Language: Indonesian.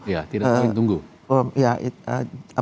ya tidak terlalu menunggu